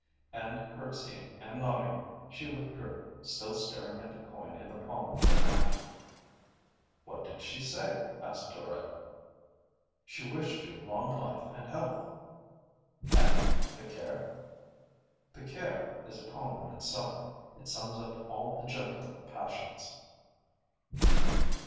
And, curtseying and nodding, she withdrew, still staring at the coin in the palm of her hand. 'What did she say?' asked Duruy. 'She wished you long life and health.' 'And pecaire?' 'Pecaire is a poem in itself: it sums up all the gentler passions.'